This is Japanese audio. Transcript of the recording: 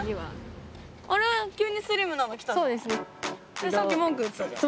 それさっき文句言ってたじゃん。